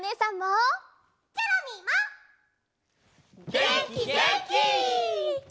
げんきげんき！